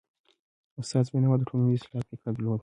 استاد بینوا د ټولني د اصلاح فکر درلود.